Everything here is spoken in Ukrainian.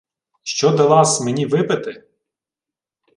— Що дала-с мені випити?